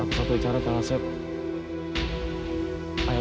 kita kuburkan sekarang